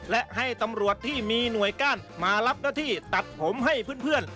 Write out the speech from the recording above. และให้ตำรวจที่มีหน่วยก้านมารับหน้าที่ตัดผมให้เพื่อน